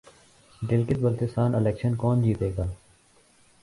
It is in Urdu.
گلگت بلتستان الیکشن کون جیتےگا